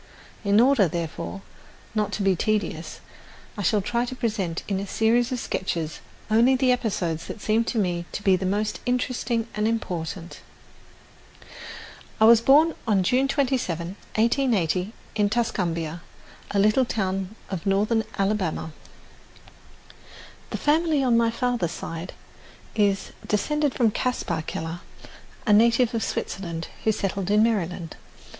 In order, therefore, not to be tedious I shall try to present in a series of sketches only the episodes that seem to me to be the most interesting and important. I was born on June 27, 1880, in Tuscumbia, a little town of northern Alabama. The family on my father's side is descended from Caspar Keller, a native of Switzerland, who settled in Maryland.